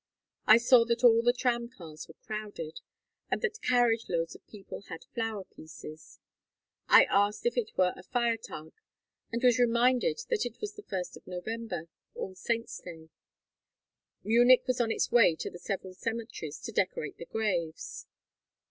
I saw that all the tram cars were crowded, and that carriage loads of people had flower pieces. I asked if it were a Feiertag and was reminded that it was the 1st of November, All Saints' Day; Munich was on its way to the several cemeteries to decorate the graves.